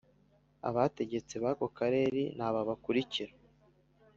Abategetse bako karere ni aba bakulikira